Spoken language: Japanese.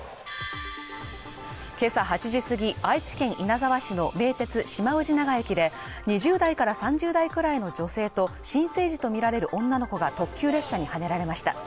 今朝８時過ぎ愛知県稲沢市の名鉄島氏永駅で２０代から３０代くらいの女性と新生児とみられる女の子が特急列車にはねられました